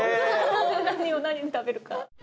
何を何で食べるか。